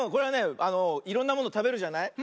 あのいろんなものたべるじゃない？